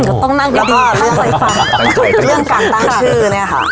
อ๋ออืมต้องนั่งอย่างดีแล้วก็เรื่องใส่ฟังเรื่องการตั้งชื่อเนี้ยค่ะ